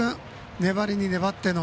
粘りに粘っての。